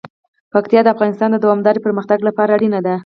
پکتیا د افغانستان د دوامداره پرمختګ لپاره اړین دي.